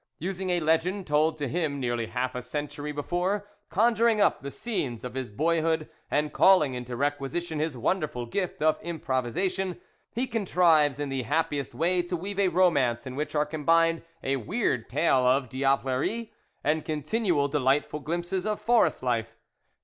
Using a legend told to him nearly half a century before, conjuring up the scenes of his boyhood, and calling into requisition his wonderful gift of improvisa tion, he contrives in the happiest way to weave a romance in which are combined a weird tale of diablerie and continual delightful glimpses of forest life.